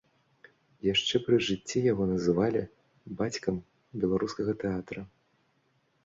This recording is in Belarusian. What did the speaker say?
Яшчэ пры жыцці яго называлі бацькам беларускага тэатра.